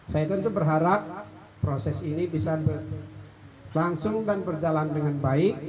saya tentu berharap proses ini bisa berlangsung dan berjalan dengan baik